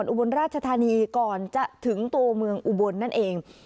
อุบลราชธานีก่อนจะถึงตัวเมืองอุบลนั่นเอง